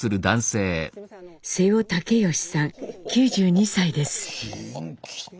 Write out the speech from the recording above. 瀬尾武義さん９２歳です。